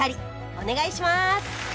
お願いします